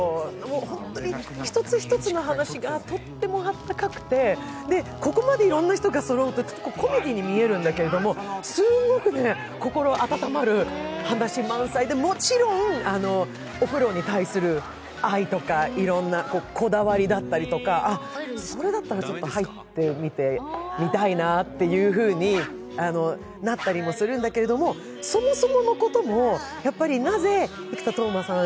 本当に一つ一つの話がとってもあったかくて、ここまでいろんな人がそろうとコメディーに見えるんだけれども、すごく心温まる話満載でもちろんお風呂に対する愛とか、いろんなこだわりだったりとか、それだったらちょっと入ってみたいなっていうふうになったりもするんだけれどもそもそものこともなぜ生田斗真さん